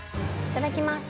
いただきます。